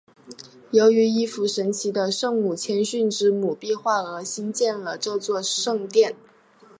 由于一幅神奇的圣母谦逊之母壁画而兴建了这座圣殿。